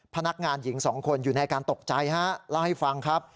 พนักงานหญิงสองคนอยู่ในอาการตกใจฮะเล่าให้ฟังครับ